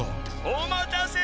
お待たせ。